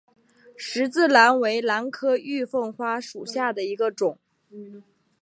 十字兰为兰科玉凤花属下的一个种。